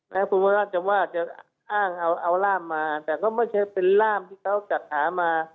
แม้คุณพระราชจะว่าจะอ้างเอาร่ามมาแต่ก็ไม่ใช่เป็นร่ามที่เขาจัดหามา